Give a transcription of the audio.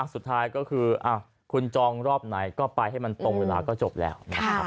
สุดท้ายก็คือคุณจองรอบไหนก็ไปให้มันตรงเวลาก็จบแล้ว